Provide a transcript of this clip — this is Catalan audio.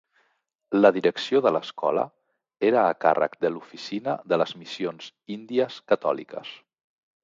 La direcció de l'escola era a càrrec de l'Oficina de les Missions Índies Catòliques.